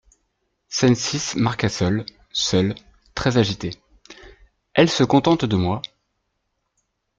Scène six Marcassol, seul, très agité. — Elle se contente de moi…